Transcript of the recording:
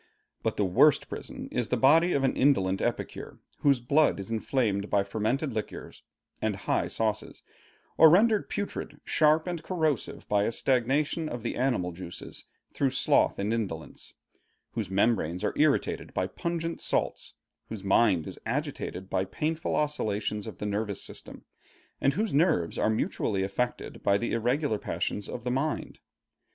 But the worst prison is the body of an indolent epicure, whose blood is inflamed by fermented liquors and high sauces, or rendered putrid, sharp, and corrosive by a stagnation of the animal juices through sloth and indolence; whose membranes are irritated by pungent salts; whose mind is agitated by painful oscillations of the nervous system, and whose nerves are mutually affected by the irregular passions of his mind.